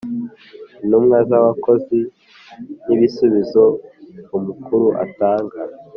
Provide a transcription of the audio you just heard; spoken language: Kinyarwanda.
Intumwa z abakozi n ibisubizo umukuru atanga